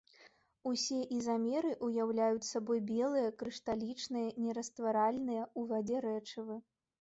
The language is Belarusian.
Усе ізамеры ўяўляюць сабой белыя крышталічныя нерастваральныя ў вадзе рэчывы.